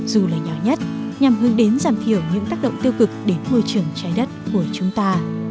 dù là nhỏ nhất nhằm hướng đến giảm thiểu những tác động tiêu cực đến môi trường trái đất của chúng ta